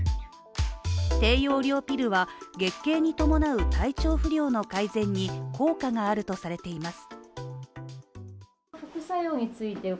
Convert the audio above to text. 低用量ピルは、月経に伴う体調不良の改善に効果があるとされています。